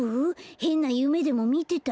へんなゆめでもみてた？